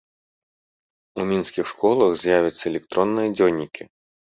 У мінскіх школах з'явяцца электронныя дзённікі.